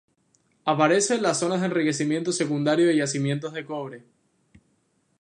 Aparece en las zonas de enriquecimiento secundario de yacimientos de cobre.